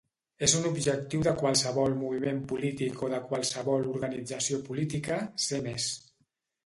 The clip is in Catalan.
És un objectiu de qualsevol moviment polític o de qualsevol organització política, ser més.